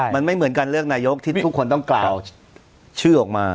มันไม่เหมือนการเลือกนายกที่ทุกคนต้องกล่าวชื่อออกมา